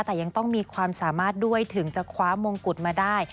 แต่ยังต้องมีความสามารถด้วยถึงจะคว้ามงกุฎมาได้